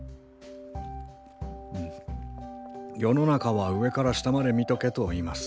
世の中は上から下まで見とけと言います。